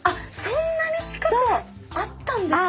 そんなに近くにあったんですね？